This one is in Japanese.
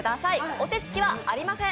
お手つきはありません！